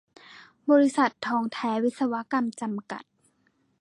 บริษัท ทองแท้วิศวกรรม จำกัด